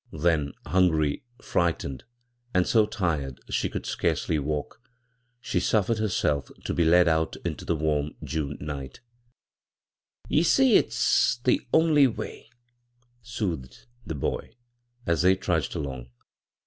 Then, hungry, frightened, and so tired she could scarcely walk, she suffered herself to be led out into the warm June night " Ye see it's the only way," soothed the boy, as they trudged along.